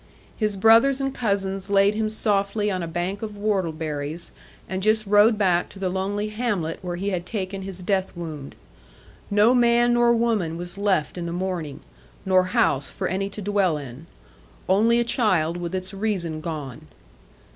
His brothers and cousins laid him softly on a bank of whortle berries, and just rode back to the lonely hamlet where he had taken his death wound. No man nor woman was left in the morning, nor house for any to dwell in, only a child with its reason gone.